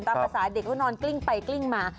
ภาษาเด็กเขานอนกลิ้งไปกลิ้งมา